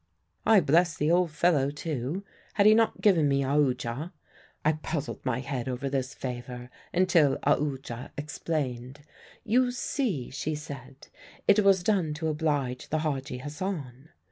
"I blessed the old fellow, too. Had he not given me Aoodya? I puzzled my head over this favour, until Aoodya explained. 'You see,' she said, 'it was done to oblige the Hadji Hassan.'